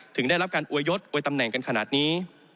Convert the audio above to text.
ถึงได้รับการอวยยศอวยตำแหน่งกันขนาดนี้